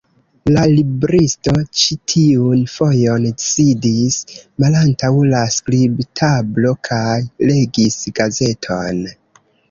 La libristo ĉi tiun fojon sidis malantaŭ la skribtablo kaj legis gazeton.